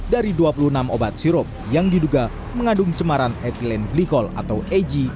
dari dua puluh enam obat sirup yang diduga mengandung cemaran ethylene glycol atau eg